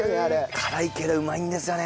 辛いけどうまいんですよね！